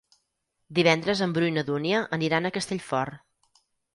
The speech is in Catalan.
Divendres en Bru i na Dúnia aniran a Castellfort.